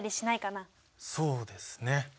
そうですね。